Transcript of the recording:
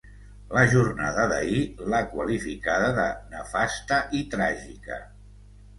La jornada d’ahir l’ha qualificada de “nefasta i tràgica”.